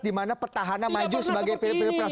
di mana petahana maju sebagai pepilpres